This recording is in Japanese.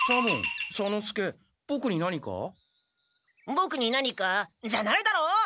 「ボクに何か？」じゃないだろう？